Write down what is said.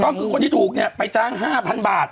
ก็คือคนที่ถูกเนี่ยไปจ้าง๕๐๐บาท